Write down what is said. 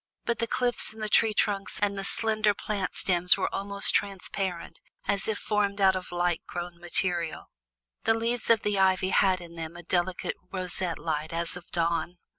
But the cliffs and the tree trunks and the slender plant stems were almost transparent, as if formed out of light grown material. The leaves of the ivy had in them a delicate roseate light as of dawn.